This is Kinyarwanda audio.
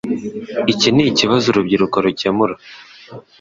Iki nikibazo urubyiruko rukemura.